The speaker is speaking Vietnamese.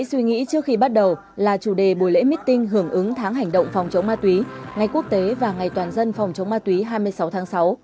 suy nghĩ trước khi bắt đầu là chủ đề buổi lễ meeting hưởng ứng tháng hành động phòng chống ma túy ngày quốc tế và ngày toàn dân phòng chống ma túy hai mươi sáu tháng sáu